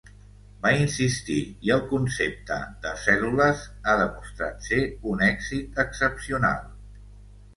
Va insistir, i el concepte de cèl·lules ha demostrat ser un èxit excepcional.